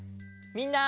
みんな！